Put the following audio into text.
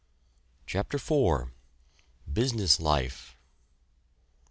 CHAPTER IV. BUSINESS LIFE.